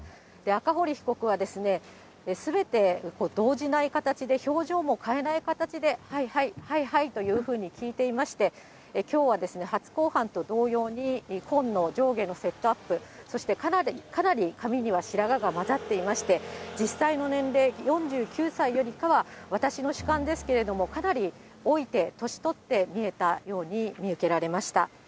赤堀被告は、すべて動じない形で、表情も変えない形で、はいはい、はいはいというふうに聞いていまして、きょうはですね、初公判と同様に、紺の上下のセットアップ、そしてかなり髪には白髪が交ざっていまして、実際の年齢４９歳よりかは、私の主観ですけれども、かなり老いて、年取って見えたように見受けられました。